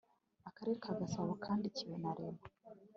akarere ka gasabo kandikiwe na rema